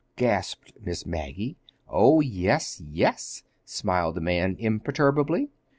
gasped Miss Maggie. "Oh, yes, yes," smiled the man imperturbably.